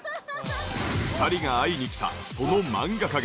２人が会いに来たその漫画家が。